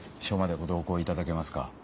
署までご同行いただけますか？